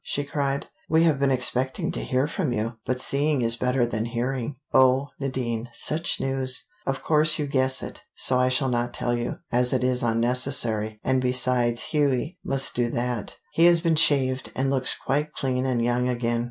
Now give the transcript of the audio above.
she cried. "We have been expecting to hear from you, but seeing is better than hearing. Oh, Nadine, such news! Of course you guess it, so I shall not tell you, as it is unnecessary, and besides Hughie must do that. He has been shaved, and looks quite clean and young again.